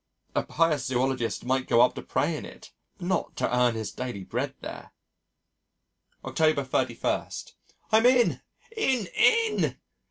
A pious zoologist might go up to pray in it but not to earn his daily bread there. October 31. I'm in, in, in!!!!!!!!!